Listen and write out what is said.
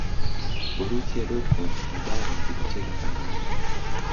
borusia dortmund na bayern zilicheza fainali